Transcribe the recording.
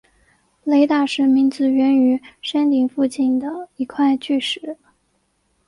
雷打石名字源于山顶附近的一头巨石。